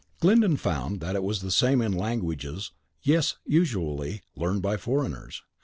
Glyndon found that it was the same in languages less usually learned by foreigners.